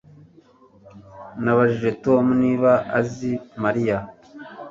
Nabajije Tom niba azi Mariya